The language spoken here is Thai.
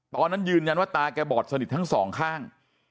ตอนนั้นยืนยันว่าตาแกบอดสนิททั้งสองข้าง